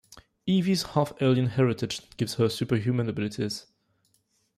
Evie's half-alien heritage gives her superhuman abilities.